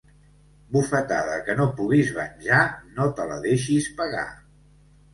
Bufetada que no puguis venjar, no te la deixis pegar.